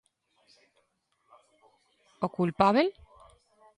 O culpábel?